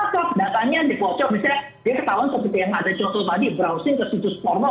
misalnya dia ketahuan seperti yang ada contoh tadi browsing ke situs porno